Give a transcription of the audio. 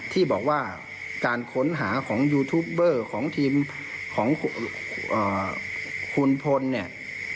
ที่บอกว่าการค้นหาของยูทูปเบอร์ของทีมของคุณพลเนี่ย